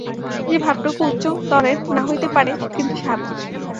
সে ভাবটুকু উচ্চদরের না হইতে পারে, কিন্তু স্বাভাবিক।